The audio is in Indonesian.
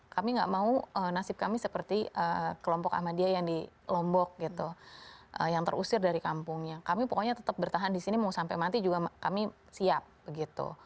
kami nggak mau nasib kami seperti kelompok ahmadiyah yang di lombok gitu yang terusir dari kampungnya kami pokoknya tetap bertahan di sini mau sampai mati juga kami siap begitu